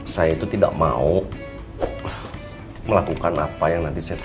saya itu tidak mau melakukan apa yang nanti saya selesaikan